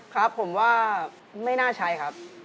ครับผมว่าไม่น่าใช้ครับ